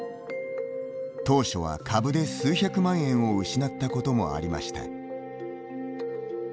当初は株で数百万円を失ったこともありました。